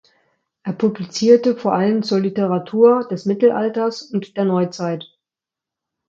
Er publizierte vor allem zur Literatur des Mittelalters und der Neuzeit.